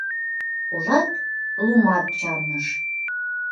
Ужат, лумат чарныш.